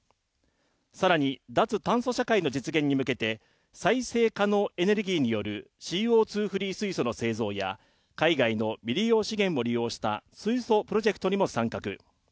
更に、脱炭素社会の実現に向けて再生可能エネルギーによるＣＯ２フリー水素の製造や海外の未利用資源を利用した水素プロジェクトにも参画。